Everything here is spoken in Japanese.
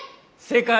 正解！